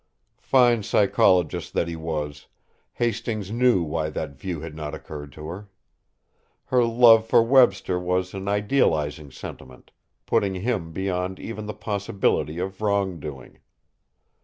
Fine psychologist that he was, Hastings knew why that view had not occurred to her. Her love for Webster was an idealizing sentiment, putting him beyond even the possibility of wrong doing.